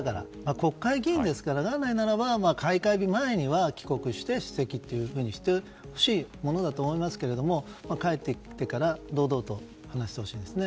国会議員ですから本来ならば開会日前までに帰国して出席してほしいものだと思いますけども帰ってきてから堂々と話してほしいですね。